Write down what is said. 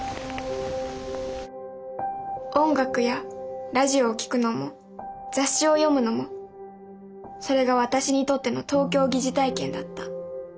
音楽やラジオを聴くのも雑誌を読むのもそれが私にとっての東京疑似体験だった。